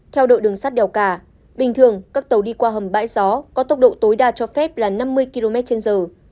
theo đội đường sắt đèo cả bình thường các tàu đi qua hầm bãi gió có tốc độ tối đa cho phép là năm mươi km trên giờ